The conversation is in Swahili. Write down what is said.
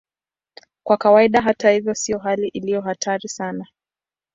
Kwa kawaida, hata hivyo, sio hali iliyo hatari sana.